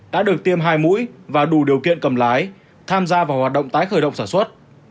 đã được tiêm hai mũi và đủ điều kiện cầm lái tham gia vào hoạt động tái khởi động sản xuất